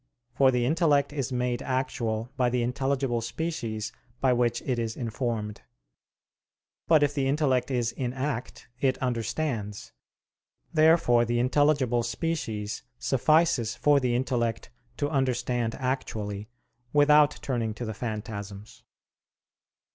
For the intellect is made actual by the intelligible species by which it is informed. But if the intellect is in act, it understands. Therefore the intelligible species suffices for the intellect to understand actually, without turning to the phantasms.